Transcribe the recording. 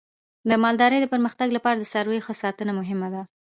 د مالدارۍ د پرمختګ لپاره د څارویو ښه ساتنه مهمه ده.